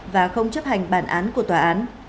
và không chấp hành bản án của tòa án